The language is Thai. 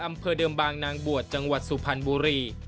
อำเภอเดิมบางนางบวชจังหวัดสุพรรณบุรี